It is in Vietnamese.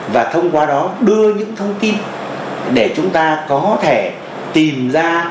và thông qua đó đưa những thông tin để chúng ta có thể tìm ra